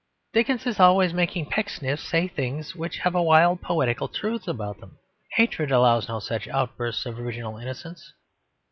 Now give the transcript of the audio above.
Dickens is always making Pecksniff say things which have a wild poetical truth about them. Hatred allows no such outbursts of original innocence.